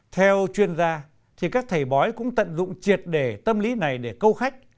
theo chuyên gia các thầy bói cũng tận dụng triệt đề tâm lý này để câu khách